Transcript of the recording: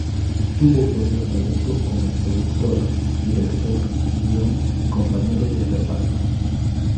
Tuvo poder de veto con el productor, director, guion y compañeros de reparto.